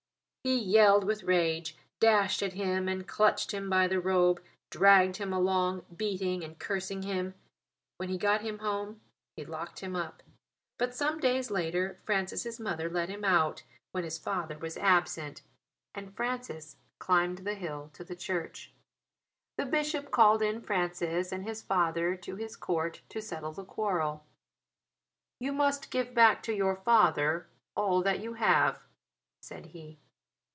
He yelled with rage, dashed at him and, clutching him by the robe, dragged him along, beating and cursing him. When he got him home he locked him up. But some days later Francis' mother let him out, when his father was absent; and Francis climbed the hill to the Church. The bishop called in Francis and his father to his court to settle the quarrel. "You must give back to your father all that you have," said he.